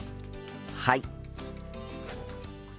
はい。